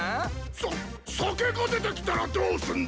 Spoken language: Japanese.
さ酒が出てきたらどうすんだ！